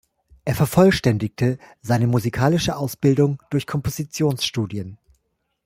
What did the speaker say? Er vervollständigte seine musikalische Ausbildung durch Kompositionsstudien.